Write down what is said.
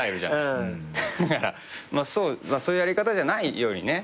そういうやり方じゃないようにね